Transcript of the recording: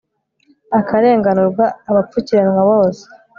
akarenganura abapfukiranwa bose